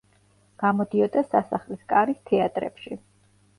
გამოდიოდა სასახლის კარის თეატრებში.